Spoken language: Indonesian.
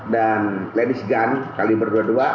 dan lenis gun kaliber dua puluh dua